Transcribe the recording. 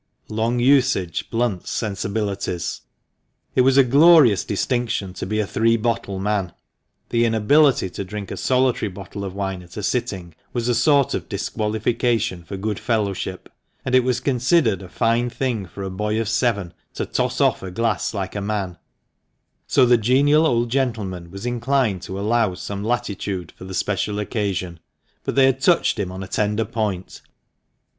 Long usage blunts sensibilities. It was a glorious distinction to be a three bottle man ; the inability to drink a solitary bottle of wine at a sitting was a sort of disqualification for good fellowship ; and it was considered a fine thing for a boy of seven to " toss off a glass like a man ;" so the genial old gentleman was inclined to allow some latitude for the special occasion. But they had touched him on a tender point.